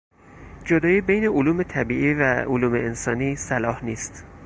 جدایی بین علوم طبیعی و علوم انسانی صلاح نیست.